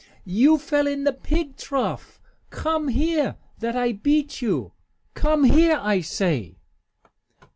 You fell in the pig trough? Come here, that I beat you! Come here, I say!"